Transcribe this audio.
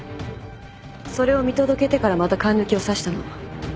それを見届けてからまたかんぬきを差したの。